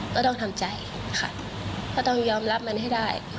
ก็ต้องทำใจค่ะก็ต้องยอมรับมันให้ได้